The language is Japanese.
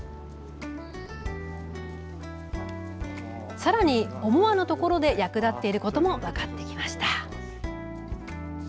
さらに、思わぬところで役立っていることも分かってきました。